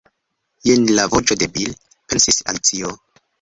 "Jen la voĉo de Bil," pensis Alicio.